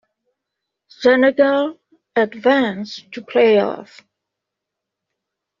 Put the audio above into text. Senegal advance to playoff.